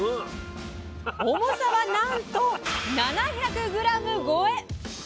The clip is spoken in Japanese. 重さはなんと７００ｇ超え！